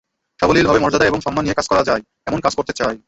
সাবলীলভাবে, মর্যাদা এবং সম্মান নিয়ে কাজ করা যায়, এমন কাজ করতে চাই।